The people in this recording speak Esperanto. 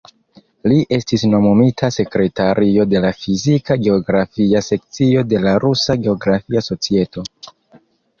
Li estis nomumita sekretario de la Fizika Geografia sekcio de la Rusa Geografia Societo.